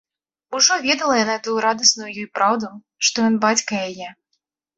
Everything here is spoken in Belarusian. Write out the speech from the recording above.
Ужо ведала яна тую радасную ёй праўду, што ён бацька яе.